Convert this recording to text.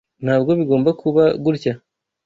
Ntabwo bigomba kuba gutya.